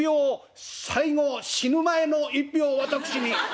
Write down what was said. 最後死ぬ前の一票を私に」。